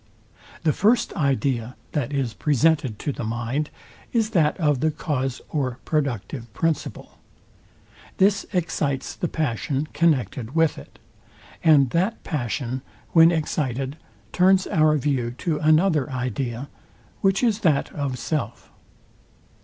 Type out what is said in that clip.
The first idea, that is presented to the mind, is that of the cause or productive principle. This excites the passion, connected with it; and that passion, when excited, turns our view to another idea, which is that of self.